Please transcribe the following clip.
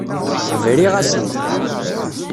Briɣ-asen.